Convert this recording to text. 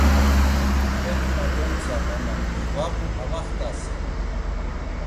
Eǩna gontzam ama mjvabu amaxt̆asere.